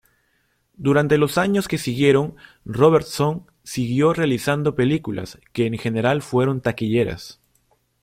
Durante los años que siguieron Robertson siguió realizando películas que en general fueron taquilleras.